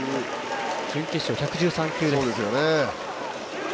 準決勝１１３球です。